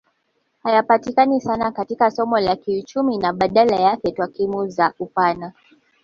Hayapatikani sana katika somo la kiuchumi na badala yake takwimu za upana